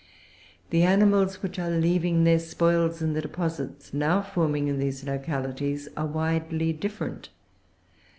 The animals which are leaving their spoils in the deposits now forming in these localities are widely different.